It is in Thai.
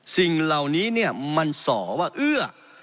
สิ่งเหล่านี้เนี่ยมันสอว่าเอื้อ